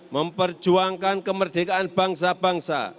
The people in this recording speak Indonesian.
memperjuangkan kemerdekaan bangsa bangsa